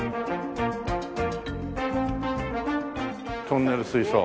トンネル水槽。